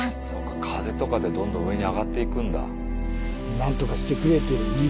風とかでどんどん上に上がっていくんだ。